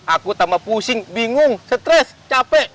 aku tambah pusing bingung stres capek